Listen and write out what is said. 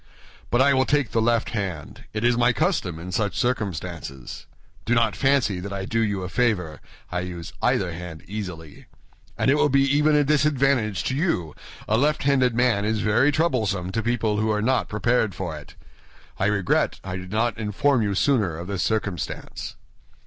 But I will take the left hand—it is my custom in such circumstances. Do not fancy that I do you a favor; I use either hand easily. And it will be even a disadvantage to you; a left handed man is very troublesome to people who are not prepared for it. I regret I did not inform you sooner of this circumstance."